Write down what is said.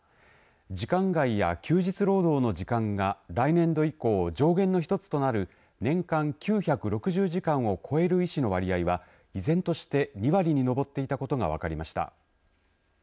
時間外や休日労働の時間が来年度以降、上限の一つとなる年間９６０時間を超える医師の割合は、依然として２割に上っていたことが分かりました。